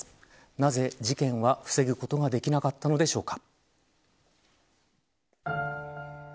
なぜ事件は防ぐことができなかったのでしょうか。